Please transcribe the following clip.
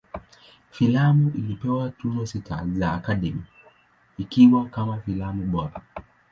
Filamu ilipewa Tuzo sita za Academy, ikiwa kama filamu bora.